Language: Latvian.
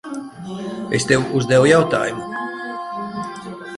Es tev uzdevu jautājumu.